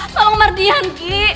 tolong mardian ki